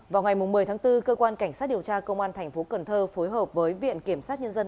vào ngày một mươi tháng bốn cơ quan cảnh sát điều tra công an tp hcm phối hợp với viện kiểm sát nhân dân